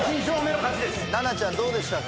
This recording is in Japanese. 菜那ちゃんどうでしたか？